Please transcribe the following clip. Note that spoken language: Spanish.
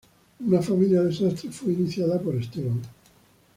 Una familia de sastres fue iniciada por Esteban.